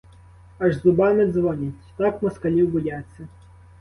Аж зубами дзвонять, так москалів бояться.